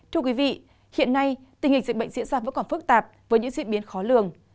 thưa quý vị hiện nay tình hình dịch bệnh diễn ra vẫn còn phức tạp với những diễn biến khó lường